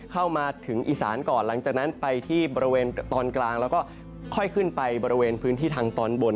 เข้ามาถึงอีสานก่อนหลังจากนั้นไปที่บริเวณตอนกลางแล้วก็ค่อยขึ้นไปบริเวณพื้นที่ทางตอนบน